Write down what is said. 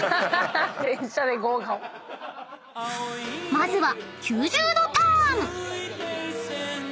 ［まずは］